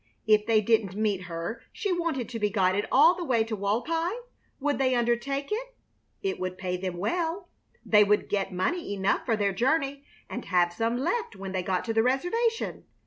If they didn't meet her she wanted to be guided all the way to Walpi? Would they undertake it? It would pay them well. They would get money enough for their journey and have some left when they got to the reservation.